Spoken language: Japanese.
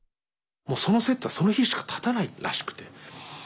そのセットはその日しか立たないらしくて。